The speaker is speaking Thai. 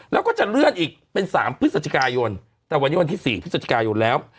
แล้วก็จะเลื่อนอีกเป็น๓พฤศจิกายนแต่วันนี้วันที่๔พฤศจิกายนแล้ว